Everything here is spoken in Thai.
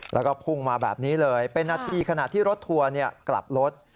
แล้วก็พุ่งมาแบบนี้เลยเป็นนาทีขณะที่รถทัวร์กลับรถ